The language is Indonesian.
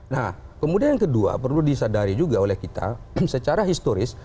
nah kemudian yang kedua perlu disadari juga oleh kita secara historis